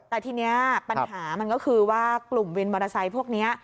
แต่ทีนี้ปัญหามันก็คือว่ากลุ่มวินมอเตอร์ไซค์พวกนี้